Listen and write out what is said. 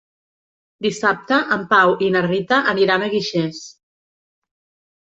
Dissabte en Pau i na Rita aniran a Guixers.